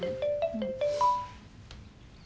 うん。